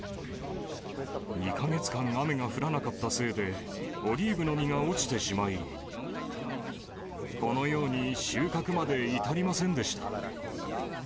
２か月間雨が降らなかったせいで、オリーブの実が落ちてしまい、このように収穫まで至りませんでした。